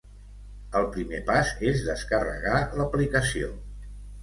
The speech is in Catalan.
El primer pas és descarregar l’aplicació.